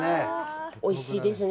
おいしいですね。